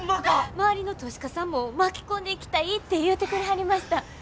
周りの投資家さんも巻き込んでいきたいって言うてくれはりました。